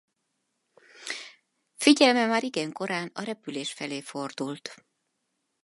Figyelme már igen korán a repülés felé fordult.